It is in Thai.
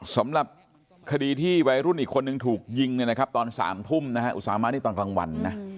สำหรับคดีที่วัยรุ่นอีกคนนึงถูกยิงตอน๓ทุ่มอุตสามารถที่ตอนกลางวัน